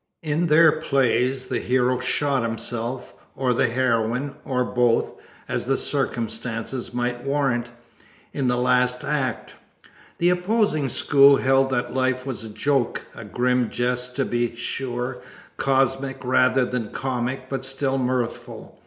In their plays the hero shot himself, or the heroine, or both, as the circumstances might warrant, in the last act. The opposing school held that Life was a joke, a grim jest to be sure, cosmic rather than comic, but still mirthful.